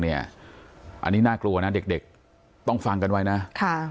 อันนี้น่ากลัวนะเด็กต้องฟังกันไว้นะ